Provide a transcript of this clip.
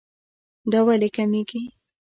دا ولې کميږي